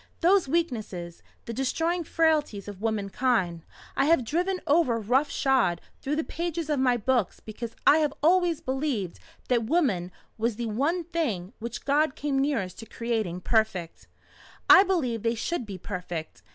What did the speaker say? Those weaknesses the destroying frailties of womankind I have driven over rough shod through the pages of my books because I have always believed that Woman was the one thing which God came nearest to creating perfect. I believe they should be perfect.